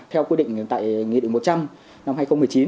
theo quy định tại nghị định một trăm linh năm hai nghìn một mươi chín